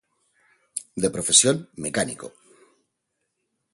De profesión mecánico.